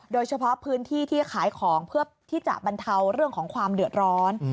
โดยเฉพาะพื้นที่ที่ขายของเพื่อที่จะบรรเทาเรื่องของความเดือดร้อน